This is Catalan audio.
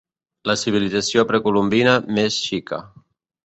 La civilització precolombina més xica.